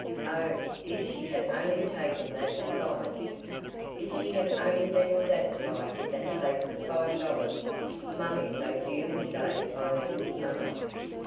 Oh, if she had only taken that advice! If she had only been satisfied with that sacred five dollars, money so dearly saved by her good mother!